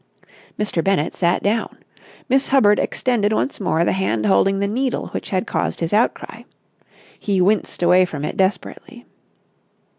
Mr. Bennett sat down. Miss Hubbard extended once more the hand holding the needle which had caused his outcry. He winced away from it desperately.